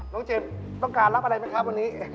น้องเจฟต้องการรับอะไรไหมครับวันนี้